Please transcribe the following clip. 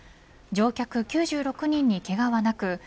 乗客９６人にけがはなく